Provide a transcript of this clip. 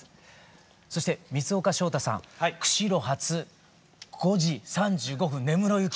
三丘翔太さん「釧路発５時３５分根室行き」